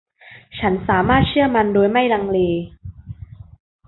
ฉันสามารถเชื่อมันโดยไม่ลังเล